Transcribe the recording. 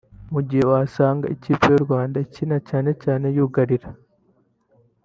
mu gihe wasangaga ikipe y’u Rwanda ikina cyane cyane yugarira